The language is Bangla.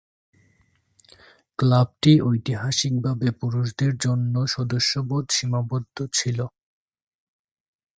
ক্লাবটি ঐতিহাসিকভাবে পুরুষদের জন্য সদস্যপদ সীমাবদ্ধ ছিল।